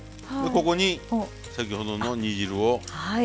ここに先ほどの煮汁を。